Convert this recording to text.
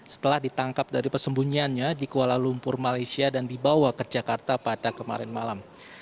setelah ditangkap dari persembunyiannya di kuala lumpur malaysia dan dibawa ke jakarta pada kemarin malam